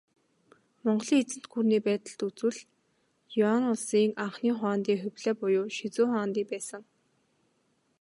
Монголын эзэнт гүрний байдалд үзвэл, Юань улсын анхны хуанди Хубилай буюу Шизү хуанди байсан.